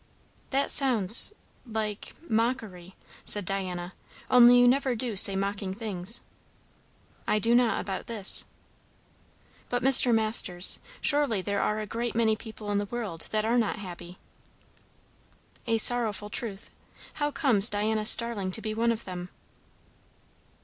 "That sounds like mockery," said Diana. "Only you never do say mocking things." "I do not about this." "But, Mr. Masters! surely there are a great many people in the world that are not happy?" "A sorrowful truth. How comes Diana Starling to be one of them?"